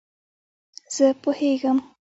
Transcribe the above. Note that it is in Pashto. زه پوهېږم !